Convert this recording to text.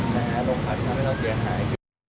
ลงขันทำให้เราเสียหาย